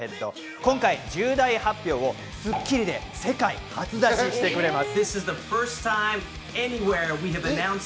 今回、重大発表を『スッキリ』で世界初出ししてくれます。